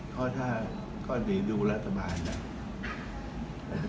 โครงการนี้เป็นประโยคแหละประชาชนจะเดินหน้าต่อไปใช้เลยปะ